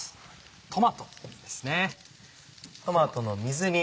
トマトですね。